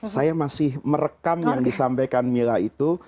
saya masih merekam yang disampaikan mila itu